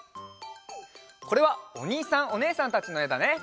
これはおにいさんおねえさんたちのえだね。